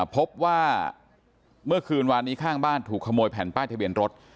พบว่าเมื่อคืนวานนี้ข้างบ้านถูกขโมยแผ่นป้ายทะเบียนรถ